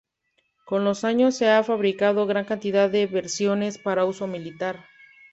Con los años se han fabricado gran cantidad de versiones para uso militar.